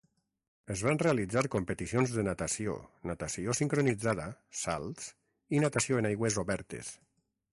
Es van realitzar competicions de natació, natació sincronitzada, salts i natació en aigües obertes.